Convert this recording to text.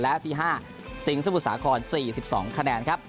และที่ห้าซิงศพุสาคร๔๒คะแนนครับ